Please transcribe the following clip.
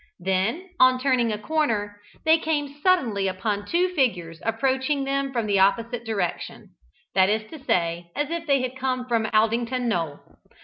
Then, on turning a corner, they came suddenly upon two figures approaching them from the opposite direction, that is to say, as if they had come from Aldington Knoll.